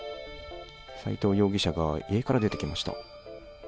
斎藤容疑者が家から出てきました。